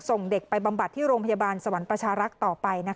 ส่งเด็กไปบำบัดที่โรงพยาบาลสวรรค์ประชารักษ์ต่อไป